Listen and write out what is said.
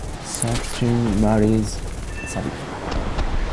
Suryakant marries Sarita.